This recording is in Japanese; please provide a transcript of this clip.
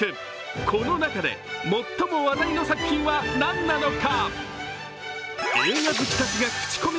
この中で最も話題の作品は何なのか。